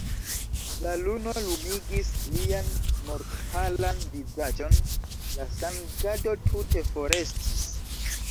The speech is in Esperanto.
La luno lumigis lian mortpalan vizaĝon, la sangado tute forestis.